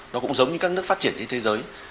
nó cũng giống như các nước phát triển trên thế giới